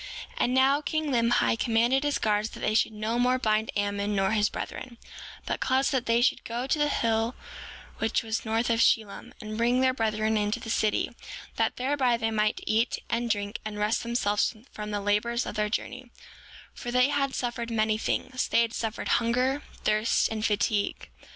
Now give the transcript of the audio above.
7:16 And now, king Limhi commanded his guards that they should no more bind Ammon nor his brethren, but caused that they should go to the hill which was north of Shilom, and bring their brethren into the city, that thereby they might eat, and drink, and rest themselves from the labors of their journey; for they had suffered many things; they had suffered hunger, thirst, and fatigue.